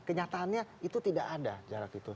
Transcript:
kenyataannya itu tidak ada jarak itu